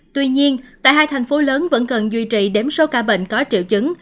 tuy nhiên tại hai thành phố lớn vẫn cần duy trì đếm số ca bệnh có triệu chứng